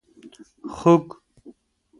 خوګ 🐷